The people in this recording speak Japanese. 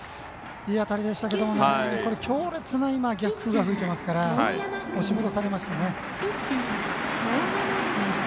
いい当たりでしたけど強烈な逆風が吹いていますから押し戻されましたね。